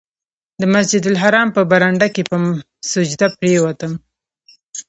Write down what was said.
د مسجدالحرام په برنډه کې په سجده پرېوتم.